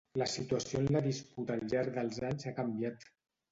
La situació en la disputa al llarg dels anys ha canviat.